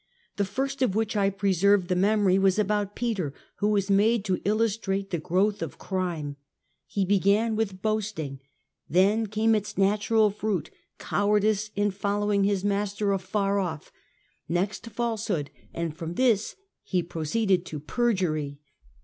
The first of which I preserve the memory was about Peter, who was made to illustrate the growth of crime. He began with boasting; then came its natural fruit, cowardice, in following his master afar off; next falsehood, and from this he proceeded to perjury.